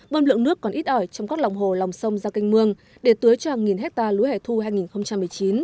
bơm lượng nước còn ít ỏi trong các lòng hồ lòng sông ra canh mương để tưới cho hàng nghìn hectare lúa hẻ thu hai nghìn một mươi chín